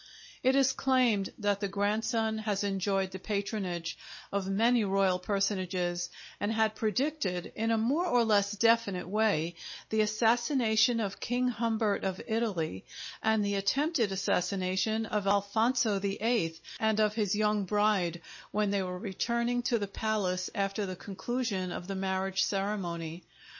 It is claimed that the grandson has enjoyed the patronage of many royal personages, and had predicted, in a more or less definite way, the assassination of King Humbert of Italy, and the attempted assassination of Alfonso XIII and of his young bride, when they were returning to the palace after the conclusion of the marriage ceremony.